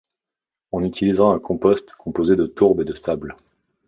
On utilisera un compost composé de tourbe et de sable.